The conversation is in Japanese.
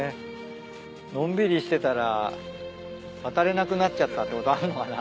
のんびりしてたら渡れなくなっちゃったってことあんのかな？